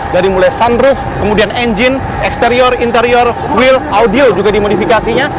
dari mulai sunroof kemudian engine eksterior interior will audio juga dimodifikasinya